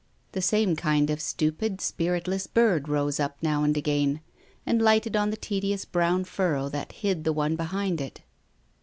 The same kind of stupid, spiritless bird rose up now and again, and lighted on the tedious brown furrow that hid the one behind it.